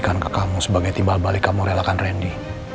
ke kamu sebagai timbal balik kamu regel akan randy